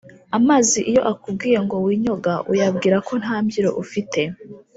Amazi iyo akubwiye ngo winyoga uyabwira ko ntambyiro ufite